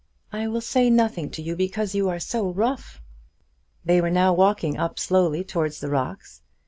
"I will say nothing to you because you are so rough." They were now walking up slowly towards the rocks.